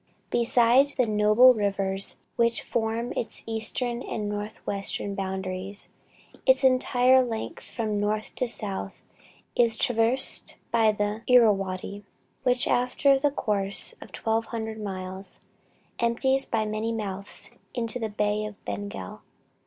Besides the noble rivers which form its eastern and north western boundaries, its entire length from north to south is traversed by the Irrawaddy, which after a course of 1200 miles, empties by many mouths into the Bay of Bengal.